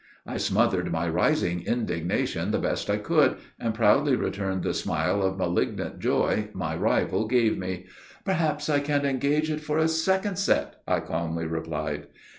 I smothered my rising indignation the best I could, and proudly returned the smile of malignant joy my rival gave me. 'Perhaps I can engage it for a second set,' I calmly replied.